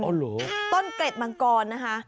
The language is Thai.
อ๋อเหรอต้นเกร็ดมังกรนะฮะ